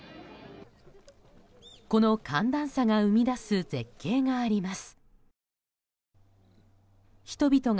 この寒暖差が生み出す絶景があります。